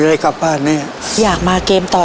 ได้กลับบ้านแน่โถ่